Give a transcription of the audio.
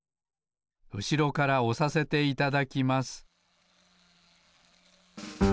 うしろからおさせていただきます